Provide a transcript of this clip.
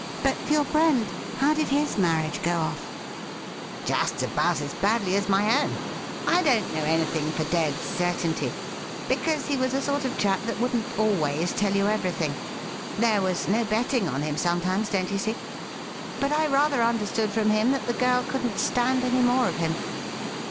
' But your friend — how did his marriage go off ?'' Just about as badly as my own. I don't know anything for dead certainty, because he was a sort of chap that wouldn't always tell you everything. There was no betting on him sometimes, don't you see. But I rather understood from him that the girl couldn't stand any more of him.